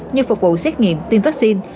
như phục vụ xét nghiệm tiêm vaccine